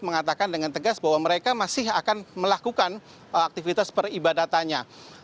mengatakan dengan tegas bahwa mereka masih akan melakukan aktivitas peribadatannya